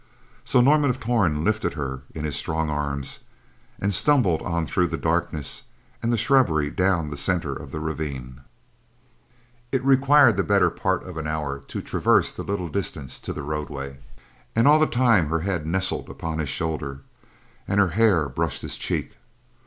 So Norman of Torn lifted her in his strong arms, and stumbled on through the darkness and the shrubbery down the center of the ravine. It required the better part of an hour to traverse the little distance to the roadway; and all the time her head nestled upon his shoulder and her hair brushed his cheek.